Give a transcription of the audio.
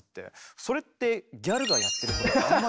それってギャルがやってることとあんまり。